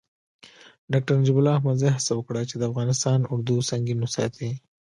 ډاکتر نجیب الله احمدزي هڅه وکړه چې د افغانستان اردو سنګین وساتي.